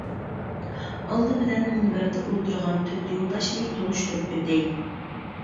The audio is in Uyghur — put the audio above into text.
ئالدى بىلەن مۇنبەردە ئولتۇرغان تۆت يولداشنى تونۇشتۇرۇپ ئۆتەي.